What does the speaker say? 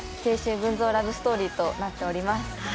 群像ラブストーリーとなっています。